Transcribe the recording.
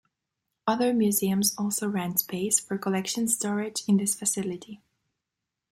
Other museums also rent space for collections storage in this facility.